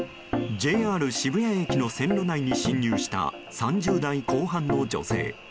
ＪＲ渋谷駅の線路内に侵入した３０代後半の女性。